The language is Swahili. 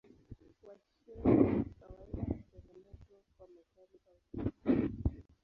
Washeli kwa kawaida hutengenezwa kwa metali au plastiki.